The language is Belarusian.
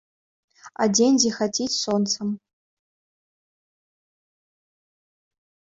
А дзень зіхаціць сонцам.